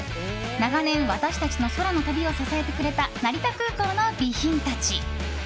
長年、私たちの空の旅を支えてくれた成田空港の備品たち。